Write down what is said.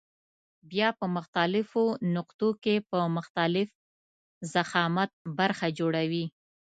بیا په مختلفو نقطو کې په مختلف ضخامت برخه جوړوي.